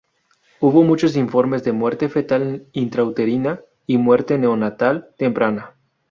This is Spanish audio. Hubo muchos informes de muerte fetal intrauterina y muerte neonatal temprana.